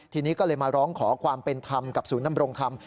ทีนี้ก็เลยมาร้องขอความเป็นธรรมกับศูนย์นำรงธรรม